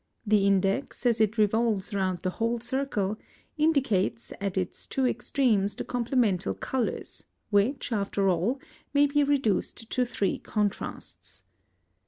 The index, as it revolves round the whole circle, indicates at its two extremes the complemental colours, which, after all, may be reduced to three contrasts.